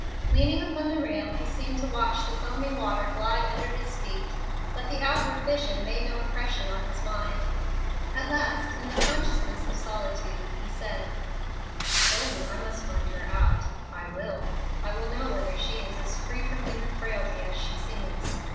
Leaning upon the rail he seemed to watch the foaming water glide under his feet; but the outward vision made no impression on his mind. At last in the consciousness of solitude he said: "She told me I must find her out. I will. I will know whether she is as free from human frailty as she seems.